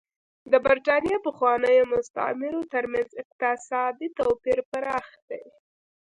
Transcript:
د برېټانیا پخوانیو مستعمرو ترمنځ اقتصادي توپیر پراخ دی.